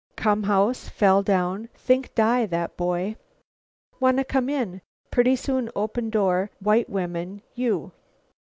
Come house. Fell down. Think die, that boy. Wanna come in. Pretty soon, open door, white women, you.